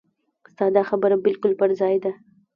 ستا دا خبره بالکل پر ځای ده.